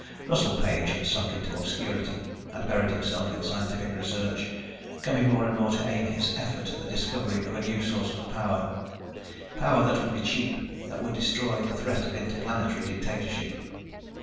Russell Page had sunk into obscurity, had buried himself in scientific research, coming more and more to aim his effort at the discovery of a new source of power ... power that would be cheap, that would destroy the threat of Interplanetary dictatorship.